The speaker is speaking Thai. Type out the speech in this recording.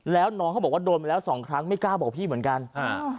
แล้วน้องเขาบอกว่าโดนมาแล้วสองครั้งไม่กล้าบอกพี่เหมือนกันอ่า